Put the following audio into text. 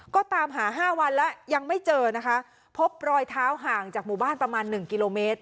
ก็ตามหา๕วันแล้วยังไม่เจอนะคะพบรอยเท้าห่างจากหมู่บ้านประมาณหนึ่งกิโลเมตร